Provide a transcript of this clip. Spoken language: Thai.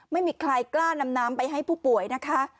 ไม่มีใครกล้านำน้ำไปให้ผู้ป่วยนะคะ